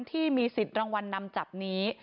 ที่มีสิทธิ์รางวัลนำจับนี้